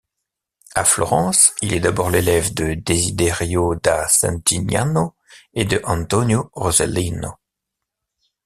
À Florence, il est d'abord l'élève de Desiderio da Settignano et de Antonio Rossellino.